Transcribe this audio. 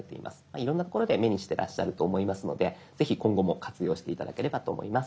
いろんな所で目にしてらっしゃると思いますのでぜひ今後も活用して頂ければと思います。